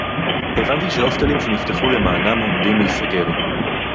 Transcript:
הבנתי שהוסטלים שנפתחו למענם עומדים להיסגר